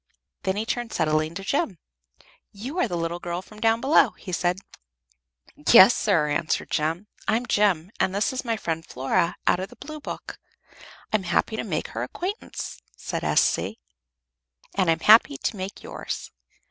Then he turned suddenly to Jem. "You are the little girl from down below," he said. "Yes, sir," answered Jem. "I'm Jem, and this is my friend Flora, out of the blue book." "I'm happy to make her acquaintance," said S.C., "and I'm happy to make yours.